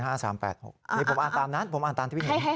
อันนี้ผมอ่านตามนั้นผมอ่านตามที่พี่เห็น